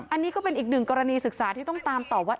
อันนี้ก็เป็นอีกหนึ่งกรณีศึกษาที่ต้องตามต่อว่า